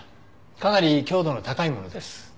かなり強度の高いものです。